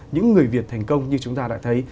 những người việt thành công như chúng ta đã thấy